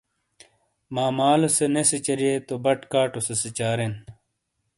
ماں مالو سے نے سِیچیارئیے تو بَٹ کاٹو سے سِیچارین۔